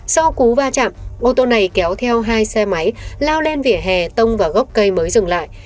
sau cú va chạm ô tô này kéo theo hai xe máy lao lên vỉa hè tông vào gốc cây mới dừng lại